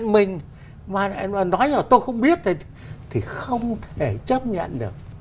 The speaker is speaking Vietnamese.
họ quyện mình mà nó là nói là tôi cũng biết thì thì không thể chấp nhận được